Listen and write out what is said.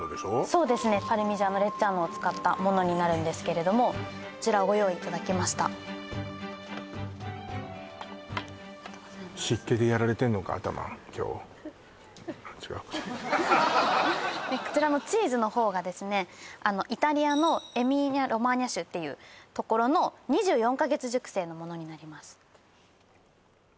そうですねパルミジャーノ・レッジャーノを使ったものになるんですけれどもこちらをご用意いただきました今日あっ違うかこちらのチーズの方がですねイタリアのエミリア・ロマーニャ州っていうところの２４か月熟成のものになります